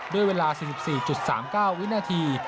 ด้วยเวลา๔๔๓๙วินาที